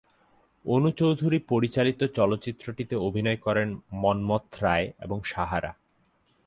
অনু চৌধুরী পরিচালিত চলচ্চিত্রটিতে অভিনয় করেন মন্মথ রায় এবং সাহারা।